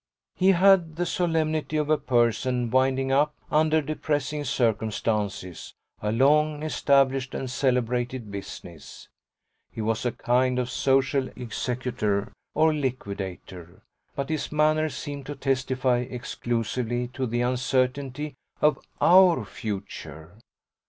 He had the solemnity of a person winding up, under depressing circumstances, a long established and celebrated business; he was a kind of social executor or liquidator. But his manner seemed to testify exclusively to the uncertainty of OUR future.